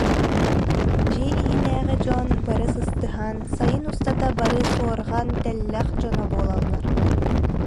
Дьиэ иһинээҕи дьон бары сыстыһан сайын устата бары суорҕан-тэллэх дьоно буолаллар